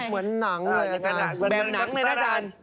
เหมือนหนังเลยอาจารย์